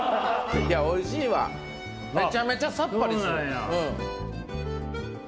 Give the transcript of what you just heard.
いやおいしいわめちゃめちゃさっぱりする